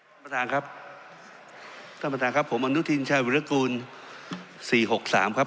ท่านประธานครับท่านประธานครับผมอนุทินชายวิรกูลสี่หกสามครับ